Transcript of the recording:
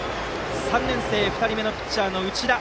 ３年生２人目のピッチャーの内田。